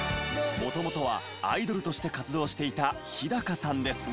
もともとはアイドルとして活動していた日さんですが。